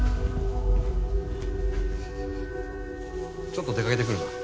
ちょっと出かけてくるな。